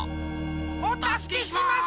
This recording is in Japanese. おたすけします！